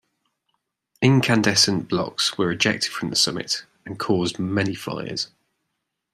Incandescent blocks were ejected from the summit and caused many fires.